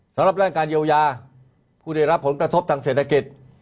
สำหรับร่างการเยียวยาผู้ได้รับผลกระทบทางเศรษฐกิจ